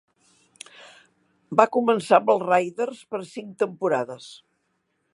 Va començar amb els Raiders per cinc temporades.